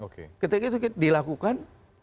ketika itu dilakukan